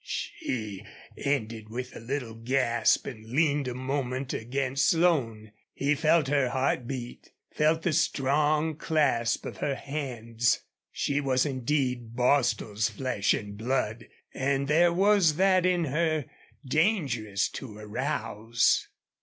She ended with a little gasp and leaned a moment against Slone. He felt her heart beat felt the strong clasp of her hands. She was indeed Bostil's flesh and blood, and there was that in her dangerous to arouse.